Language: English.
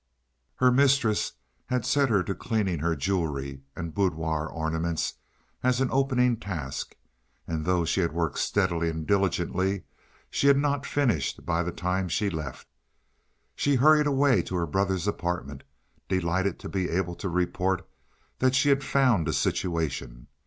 Her mistress had set her to cleaning her jewelry and boudoir ornaments as an opening task, and though she had worked steadily and diligently, she had not finished by the time she left. She hurried away to her brother's apartment, delighted to be able to report that she had found a situation.